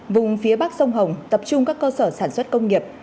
vùng phía bắc sông hồng tập trung các cơ sở sản xuất công nghiệp